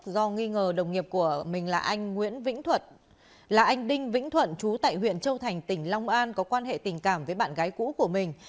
do nghi ngờ đồng nghiệp của mình là anh đinh vĩnh thuận trú tại huyện châu thành tỉnh long an có quan hệ tình cảm với bạn gái cũ của mình